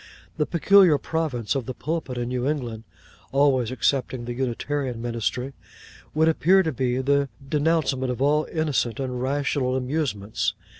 The peculiar province of the Pulpit in New England (always excepting the Unitarian Ministry) would appear to be the denouncement of all innocent and rational amusements.